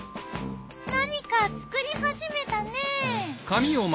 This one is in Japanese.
何か作り始めたね。